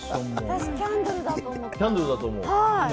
私、キャンドルだと思った。